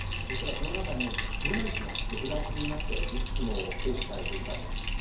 そしたらその中に車いすが横倒しになっていくつも放置されていたんです。